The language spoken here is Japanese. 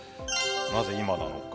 なぜ今なのか。